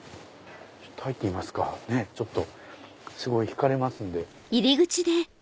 ちょっと入ってみますかすごい引かれますんで。